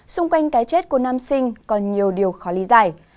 xung quanh cái chết của nam sinh còn nhiều điều khó lý giải